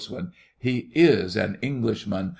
He is an Englishman!